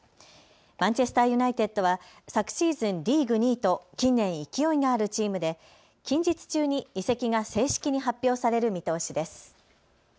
マンチェスターユナイテッドは昨シーズン、リーグ２位と近年勢いがあるチームで近日中に移籍が正式に発表される見通しです。